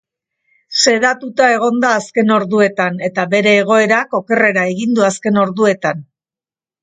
Sedatuta egon da azken orduetan eta bere egoerak okerrera egin du azken orduetan.